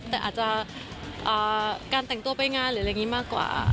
แต่อาจจะการแต่งตัวไปงานหรืออะไรอย่างนี้มากกว่า